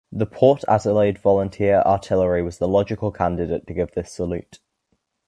The Port Adelaide volunteer artillery was the logical candidate to give this salute.